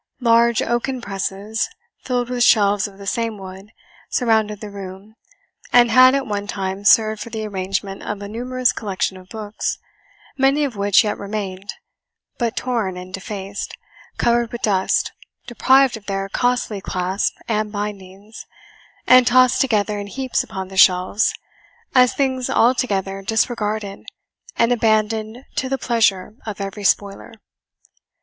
Large oaken presses, filled with shelves of the same wood, surrounded the room, and had, at one time, served for the arrangement of a numerous collection of books, many of which yet remained, but torn and defaced, covered with dust, deprived of their costly clasps and bindings, and tossed together in heaps upon the shelves, as things altogether disregarded, and abandoned to the pleasure of every spoiler.